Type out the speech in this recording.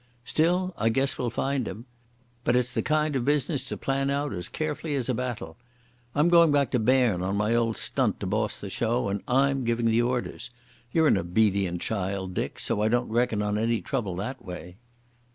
Still I guess we'll find him. But it's the kind of business to plan out as carefully as a battle. I'm going back to Berne on my old stunt to boss the show, and I'm giving the orders. You're an obedient child, Dick, so I don't reckon on any trouble that way."